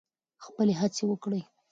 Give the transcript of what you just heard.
خپلې هڅې وکړئ.